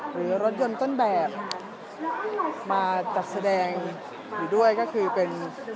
หรือรถยนต์ต้นแบบมาจัดแสดงอยู่ด้วยก็คือเป็น